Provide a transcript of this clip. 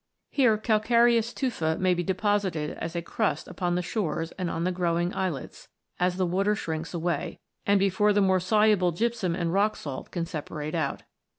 Here Calcareous Tufa may be deposited as a crust upon the shores and on the growing islets, as the water shrinks away, and before the more soluble gypsum and rock salt can separate out.